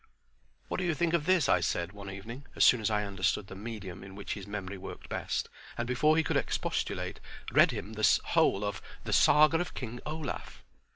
"What do you think of this?" I said one evening, as soon as I understood the medium in which his memory worked best, and, before he could expostulate read him the whole of "The Saga of King Olaf!"